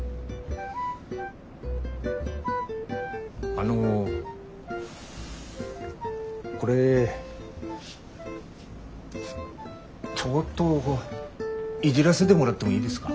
あのこれちょこっといじらせでもらってもいいですか？